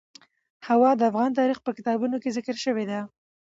هوا د افغان تاریخ په کتابونو کې ذکر شوی دي.